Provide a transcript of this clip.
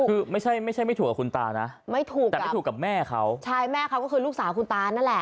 คือไม่ใช่ไม่ใช่ไม่ถูกกับคุณตานะไม่ถูกแต่ไม่ถูกกับแม่เขาใช่แม่เขาก็คือลูกสาวคุณตานั่นแหละ